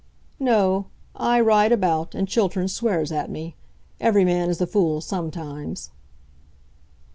"No; I ride about, and Chiltern swears at me. Every man is a fool sometimes."